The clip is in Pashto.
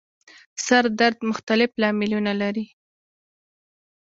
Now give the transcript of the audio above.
سر درد مختلف لاملونه لري